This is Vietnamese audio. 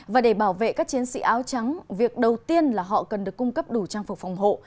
và để bảo vệ các chiến sĩ áo trắng việc đầu tiên là họ cần được cung cấp đủ trang phục phòng hộ